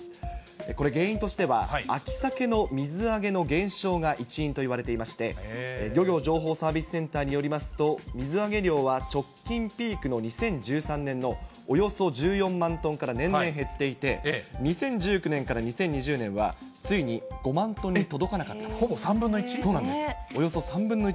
これ、原因としては秋サケの水揚げの減少が一因といわれていまして、漁業情報サービスセンターによりますと、水揚げ量は直近ピークの２０１３年のおよそ１４万トンから年々減っていて、２０１９年から２０２０年は、ほぼ３分の１？